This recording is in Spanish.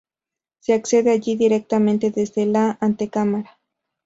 Se accede allí directamente desde la antecámara.